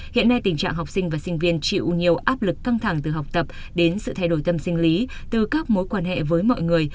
hiện nay tình trạng học sinh và sinh viên chịu nhiều áp lực căng thẳng từ học tập đến sự thay đổi tâm sinh lý từ các mối quan hệ với mọi người